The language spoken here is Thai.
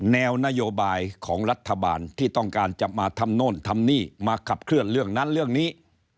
แนวนโยบายของรัฐบาลที่ต้องการจะมาทำโน่นทำนี่มาขับเคลื่อนเรื่องนั้นเรื่องนี้